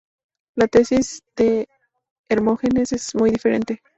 La tesis de Hermógenes es muy diferente.